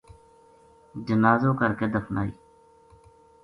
جنازو کرکے دفنائی